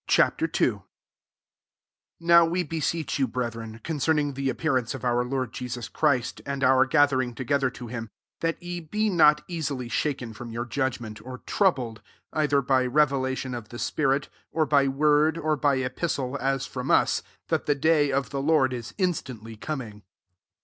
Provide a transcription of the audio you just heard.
II. 1 NOW we beseech foUf brethren, concerning the 4>pearance of our Lord Jesus uhristy and our gathering to other to him, 2 that ye be not easily shaken from your judg nent) or troubled, either by re veiatidn qf the spirit, or by irordy or by epistle, as from us, that the day of die Lord is nst«ntly coming.